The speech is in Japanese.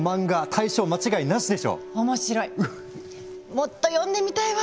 もっと読んでみたいわ！